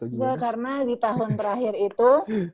gue karena di tahun terakhir itu